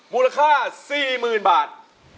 มูลค่า๔๐๐๐บาท